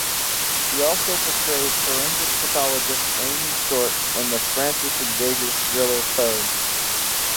She also portrayed forensic pathologist Amy Short in the Francis Xavier thriller Poe.